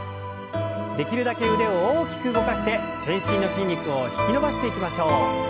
できるだけ腕を大きく動かして全身の筋肉を引き伸ばしていきましょう。